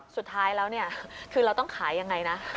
สุดท้ายแล้วคือเราต้องขายอย่างไรนะ